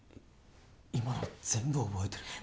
今の全部覚えてるの？